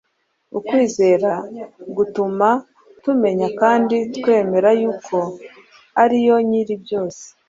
Ukwizera gutuma tumenya kandi twemera yuko ari yo nyiri byose